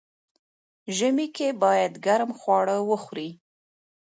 ژمی کی باید ګرم خواړه وخوري.